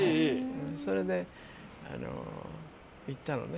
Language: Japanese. それで行ったのね。